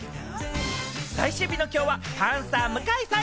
最終日の今日はパンサー・向井さん